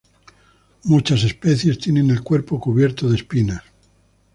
Muchas especies tienen el cuerpo cubierto de espinas.